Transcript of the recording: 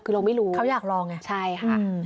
คือเราไม่รู้เขาอยากลองไงใช่ค่ะ